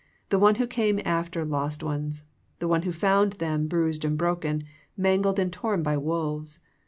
The One who came after lost ones. The One who found them bruised and broken ; mangled and torn by wolves.